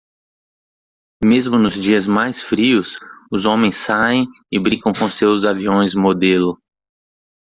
Mesmo nos dias mais frios, os homens saem e brincam com seus aviões modelo.